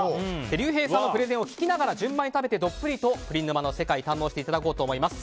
りゅうへいさんのプレゼンを聞きながら順番に食べてどっぷりとプリン沼を堪能していただこうと思います。